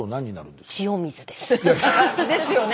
ですよね。